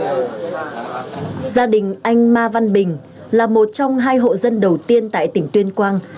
gia đình anh ma văn bình là một trong hai hộ dân đầu tiên tại tỉnh tuyên quang